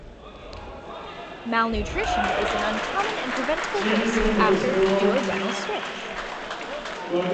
Malnutrition is an uncommon and preventable risk after duodenal switch.